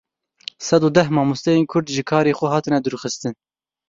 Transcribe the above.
Sed û deh mamosteyên Kurd ji karê xwe hatine dûrxistin.